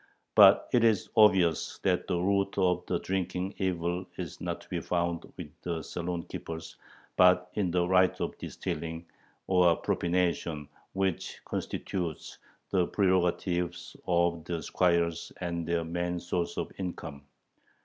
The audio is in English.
But it is obvious that the root of the drinking evil is not to be found with the saloon keepers, but in the right of distilling, or "propination," which constitutes the prerogative of the squires and their main source of income.